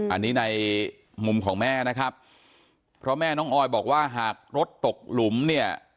อันนี้ในมุมของแม่นะครับเพราะแม่น้องออยบอกว่าหากรถตกหลุมเนี่ย